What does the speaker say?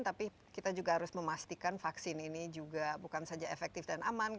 tapi kita juga harus memastikan vaksin ini juga bukan saja efektif dan aman